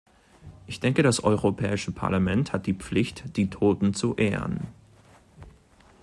Ich denke, das Europäische Parlament hat die Pflicht, die Toten zu ehren.